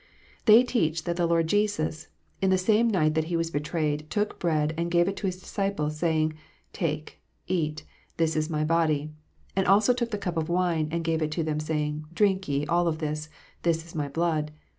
They teach that the Lord Jesus, in the same night that He was betrayed, took bread and gave it to His disciples, saying, " Take, eat : this is My body ;" and also took the cup of wine, and gave it to them, saying, " Drink ye all of this: this is My blood."